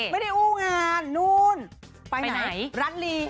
ไม่ได้อู่งานไปไหนร้านลี